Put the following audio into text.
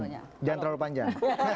jangan terlalu panjang